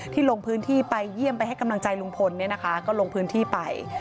ลงพื้นที่ไปเยี่ยมไปให้กำลังใจลุงพลเนี่ยนะคะก็ลงพื้นที่ไป